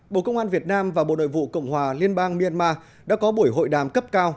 bộ công an việt nam và bộ nội vụ cộng hòa liên bang myanmar đã có buổi hội đàm cấp cao